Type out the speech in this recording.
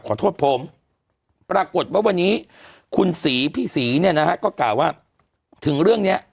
ขอโทษผมปรากฏว่าวันนี้คุณศรีพี่ศรีเนี่ยนะฮะก็กล่าวว่าถึงเรื่องเนี้ย